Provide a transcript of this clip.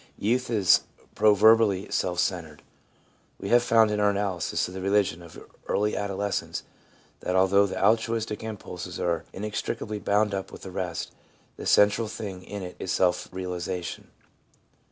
Youth is proverbially self centered. We have found in our analysis of the religion of early adolescence, that although the altruistic impulses are inextricably bound up with the rest, the central thing in it is self realisation.